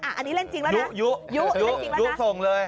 อันนี้เล่นจริงแล้วนะยุส่งเลย